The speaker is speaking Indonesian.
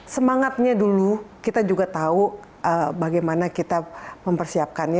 semangatnya dulu kita juga tahu bagaimana kita mempersiapkannya